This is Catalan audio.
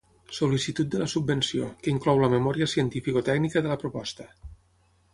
Sol·licitud de la subvenció, que inclou la memòria cientificotècnica de la proposta.